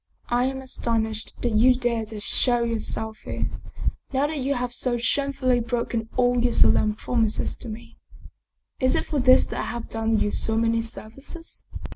" I am astonished that you dare to show yourself here, now that you have so shamefully broken all your solemn prom ises to me. Is it for this that I have done you so many services?